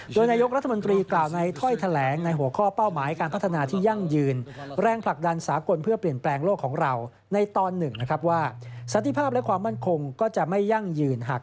โดยนายกรัฐมนตรีกล่าวในถ้อยแถลงในหัวข้อเป้าหมายของการพัฒนายั่งยืน